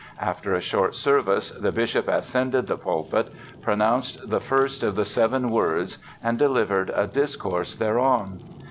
After a short service the bishop ascended the pulpit, pronounced the first of the seven words and delivered a discourse thereon.